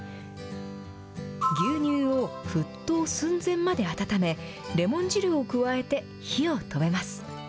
牛乳を沸騰寸前まで温め、レモン汁を加えて火を止めます。